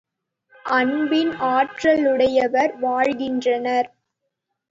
அன்பின் ஆற்றலுடையவர் வாழ்கின்றனர்.